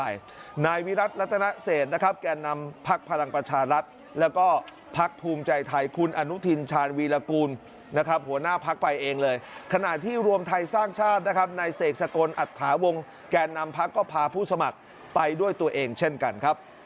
อย่างเช่นแกนำได้ก็พาผู้สมัครไปด้วยตัวเองเช่นกันครับ